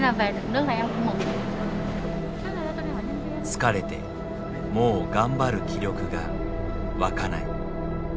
「疲れてもう頑張る気力が湧かない」。